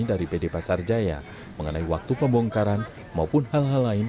dari pd pasar jaya mengenai waktu pembongkaran maupun hal hal lain